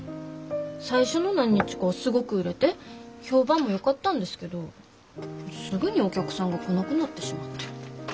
最初の何日かはすごく売れて評判もよかったんですけどすぐにお客さんが来なくなってしまって。